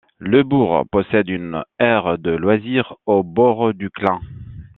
Le bourg possède une aire de loisirs au bord du Clain.